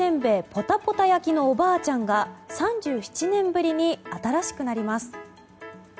ぽたぽた焼のおばあちゃんが３７年ぶりに新しくなります。